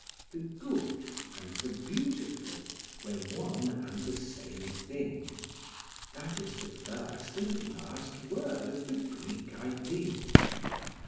The "good" and the "beautiful" were one and the same thing; that is the first and last word of the Greek ideal.